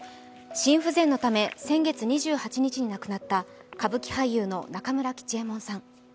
心不全のため先月２８日に亡くなった歌舞伎俳優の中村吉右衛門さん。